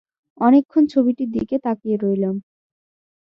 অনেকক্ষণ ছবিটির দিকে তাকিয়ে রইলাম!